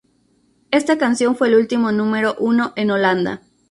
Esta canción fue el último número uno en Holanda.